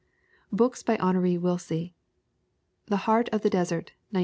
BOOKS BY HONOR WILLSIE The Heart of the Desert, 1913.